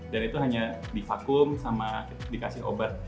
dan itu hanya divakum sama dikasih obat